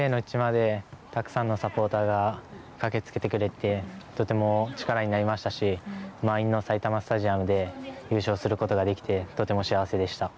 アウェーの地までたくさんのサポーターが駆けつけてくれてとても力になりましたし埼玉スタジアムで優勝することができてとても幸せでした。